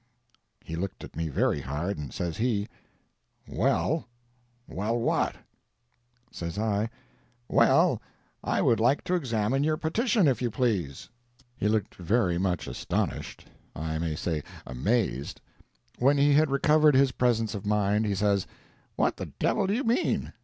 He looked at me very hard, and says he, "Well—" "Well what?" says I, "Well I would like to examine your petition, if you please." He looked very much astonished—I may say amazed. When he had recovered his presence of mind, he says "What the devil do you mean?"